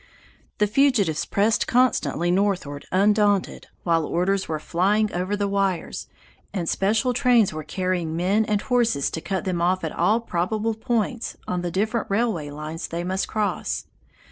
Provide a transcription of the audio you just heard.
"The fugitives pressed constantly northward undaunted, while orders were flying over the wires, and special trains were carrying men and horses to cut them off at all probable points on the different railway lines they must cross.